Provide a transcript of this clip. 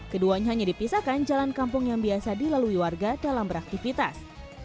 keduanya hanya dipisahkan jalan kampung yang biasa dilalui warga dalam beraktivitas